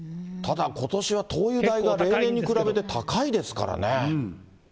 ただことしは、灯油代が例年に比べて、高いですからね。